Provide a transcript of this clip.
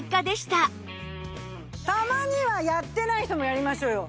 たまにはやってない人もやりましょうよ。